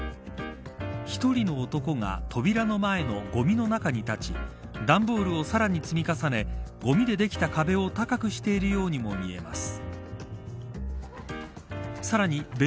１人の男が扉の前のごみの中に立ち段ボールをさらに積み重ねごみでできた壁を高くしているようにも見えます。